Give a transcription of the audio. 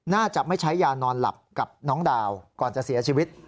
น่าจะไม่ใช้ยานอนหลับกับน้องดาวก่อนจะเสียชีวิต